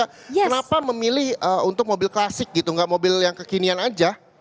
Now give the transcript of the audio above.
kenapa memilih untuk mobil klasik gitu nggak mobil yang kekinian aja